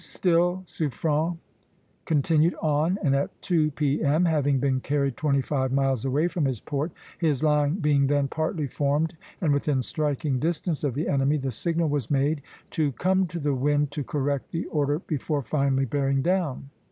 Still, Suffren continued on, and at two P.M., having been carried twenty five miles away from his port, his line being then partly formed and within striking distance of the enemy, the signal was made to come to the wind to correct the order before finally bearing down.